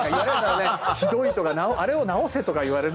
「ひどい」とか「あれを直せ」とか言われるんだろうね。